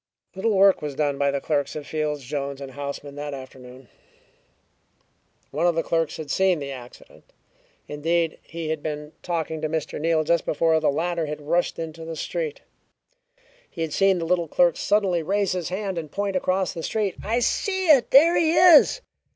Little work was done by the clerks of Fields, Jones & Houseman that afternoon. One of the clerks had seen the accident; indeed he had been talking to Mr. Neal just before the latter had rushed into the street. He had seen the little clerk suddenly raise his hand and point across the street. "I see it! There he is!"